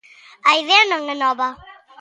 A idea non é nova.